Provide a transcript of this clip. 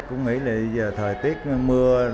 cũng nghĩ là giờ thời tiết mưa